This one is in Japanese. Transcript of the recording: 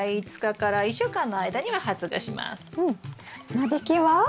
間引きは？